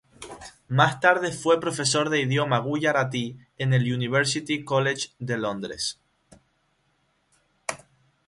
Más tarde fue profesor de idioma guyaratí en el University College de Londres.